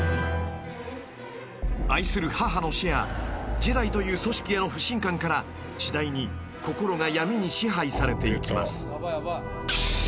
［愛する母の死やジェダイという組織への不信感から次第に心が闇に支配されていきます］